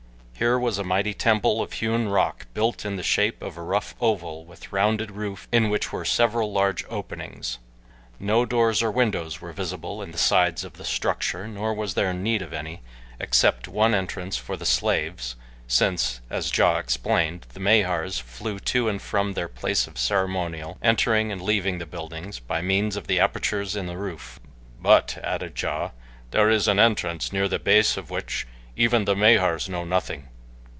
Here was a mighty temple of hewn rock built in the shape of a rough oval with rounded roof in which were several large openings. No doors or windows were visible in the sides of the structure, nor was there need of any, except one entrance for the slaves, since, as Ja explained, the Mahars flew to and from their place of ceremonial, entering and leaving the building by means of the apertures in the roof. "But," added Ja, "there is an entrance near the base of which even the Mahars know nothing.